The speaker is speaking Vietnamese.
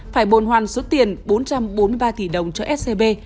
phải bồn hoàn số tiền bốn trăm bốn mươi ba tỷ đồng cho scb